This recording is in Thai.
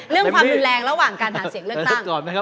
เรื่องความอุดแรงกันระหว่างหันเสธเลือกตั้ง